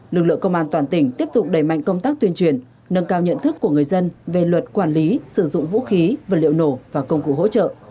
lực lượng công an toàn tỉnh tiếp tục đẩy mạnh công tác tuyên truyền nâng cao nhận thức của người dân về luật quản lý sử dụng vũ khí vật liệu nổ và công cụ hỗ trợ